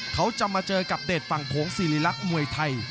เขาจะมาเจอกับเดชฝั่งโผงศิริรักษ์มวยไทย